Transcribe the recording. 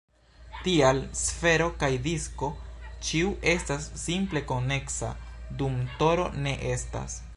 Tial, sfero kaj disko, ĉiu estas simple koneksa, dum toro ne estas.